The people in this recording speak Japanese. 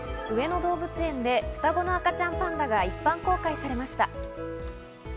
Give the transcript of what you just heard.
上野動物園で双子の赤ちゃんパンダが一般公開されました。